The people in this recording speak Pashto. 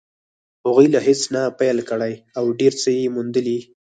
هغوی له هېڅ نه پيل کړی او ډېر څه يې موندلي.